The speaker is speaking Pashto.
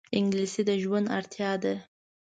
انګلیسي د ژوند اړتیا ده